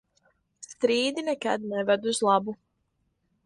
Strīdi nekad neved uz labu.